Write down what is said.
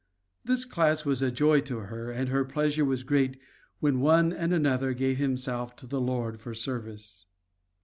This class was a joy to her and her pleasure was great when one and another gave himself to the Lord for service.